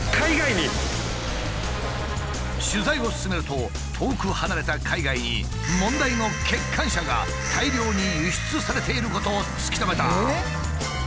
取材を進めると遠く離れた海外に問題の欠陥車が大量に輸出されていることを突き止めた。